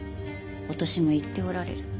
お年もいっておられる。